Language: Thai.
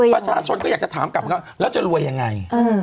ประชาชนก็อยากถามกับแล้วจะรวยยังไง